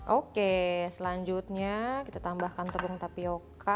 oke selanjutnya kita tambahkan tepung tapioca